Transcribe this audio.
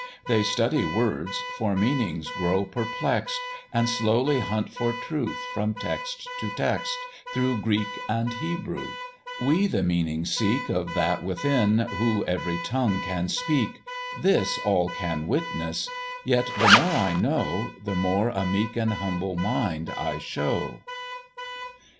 They study words, for meanings grow perplex d, And slowly hunt for truth from text to text, Through Greek and Hebrew: we the meaning seek Of that within, who every tongue can speak: This all can witness; yet the more I know, The more a meek and humble mind I show.